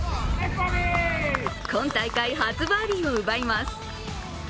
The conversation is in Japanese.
今大会、初バーディーを奪います。